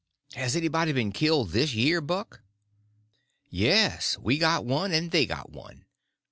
"Has anybody been killed this year, Buck?" "Yes; we got one and they got one.